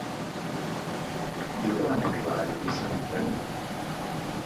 Diu que van arribar a Eivissa en tren?